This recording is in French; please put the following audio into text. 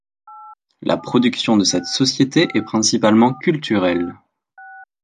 La production de cette société est principalement culturelle.